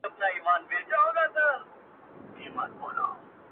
له كومه وخته چي خالـــونـــه ســتــــاد مــــخ گـــــورمــه _